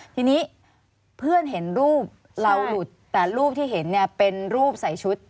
ทีนี้เพื่อนเห็นรูปเราหลุดแต่รูปที่เห็นเนี่ยเป็นรูปใส่ชุด